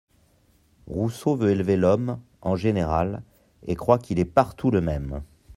Rousseau veut élever l'homme, en général, et croit qu'il est partout le même.